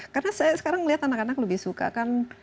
karena saya sekarang melihat anak anak lebih suka kan